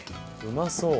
うまそう！